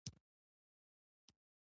مینې ته انسان اړتیا لري.